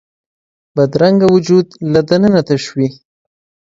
بدرنګه وجود له دننه تش وي